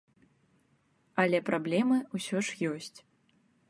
Але праблемы ўсё ж ёсць.